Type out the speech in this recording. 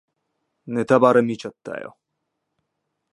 ネタバレ見ちゃったよ